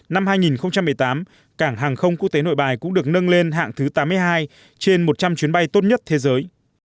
năm hai nghìn một mươi tám cảng hàng không quốc tế nội bài cũng được nâng lên hạng thứ tám mươi hai trên một trăm linh chuyến bay tốt nhất thế giới